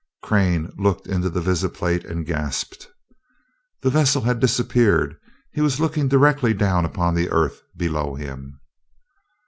Crane looked into the visiplate and gasped. The vessel had disappeared he was looking directly down upon the Earth below him!